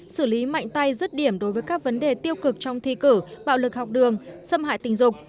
xử lý mạnh tay rứt điểm đối với các vấn đề tiêu cực trong thi cử bạo lực học đường xâm hại tình dục